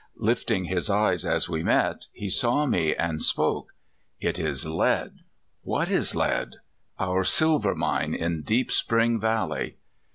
Lifting his eyes as we met, he saw me, and spoke: "Mislead!" "What is lead?' 5 " Our silver mine in Deep Spring Valley."